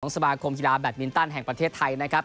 สมาคมกีฬาแบตมินตันแห่งประเทศไทยนะครับ